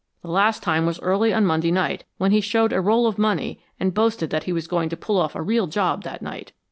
The last time was early on Monday night, when he showed a roll of money and boasted that he was going to pull off a real job that night.